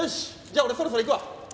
じゃあ俺そろそろ行くわ。